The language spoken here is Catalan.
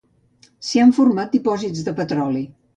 S'hi han format dipòsits de petroli.